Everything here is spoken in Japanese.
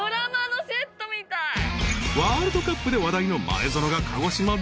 ［ワールドカップで話題の前園が鹿児島で］